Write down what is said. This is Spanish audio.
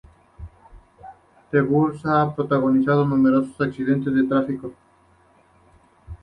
Tur Bus ha protagonizado numerosos accidentes de tráfico.